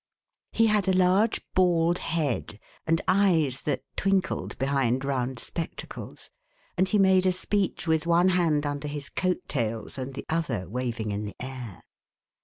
He had a large bald head, and eyes that twinkled behind round spectacles, and he made a speech with one hand under his coat tails and the other waving in the air.